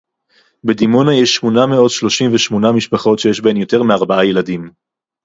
בדימונה יש שמונה מאות שלושים ושמונה משפחות שיש בהן יותר מארבעה ילדים